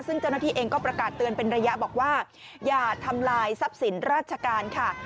ซึ่งเจ้าหน้าที่เองก็ประกาศเตือนเป็นระยะบอกว่าอย่าทำลายทรัพย์สินราชการค่ะ